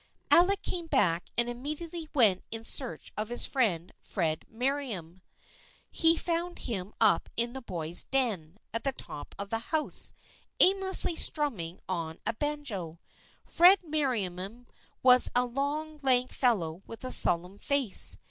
Alec came back and immediately went in search of his friend, Fred Merriam. He found him up in the boys' " den " at the top of the house aimlessly strumming on a banjo. Fred Mer riam was a long lank fellow with a solemn face.